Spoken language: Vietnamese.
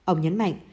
ông nhấn mạnh